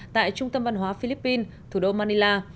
tại trung tâm văn hóa philippines thủ đô manila